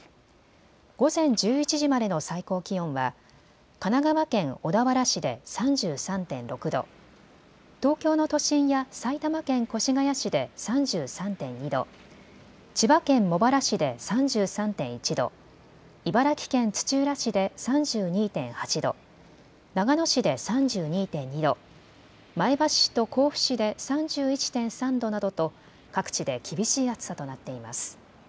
午前１１時までの最高気温は神奈川県小田原市で３３．６度、東京の都心や埼玉県越谷市で３３．２度、千葉県茂原市で３３．１度、茨城県土浦市で３２．８度、長野市で３２．２度、前橋市と甲府市で３１．３度などと各地で厳しい暑さとなっています。